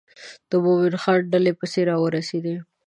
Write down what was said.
د مومن خان ډلې پسې را ورسېدې.